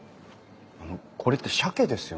あのこれってしゃけですよね？